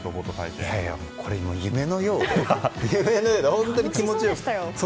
これ、夢のようで本当に気持ちよくて。